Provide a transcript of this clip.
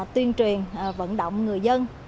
tuyên truyền vận động người dân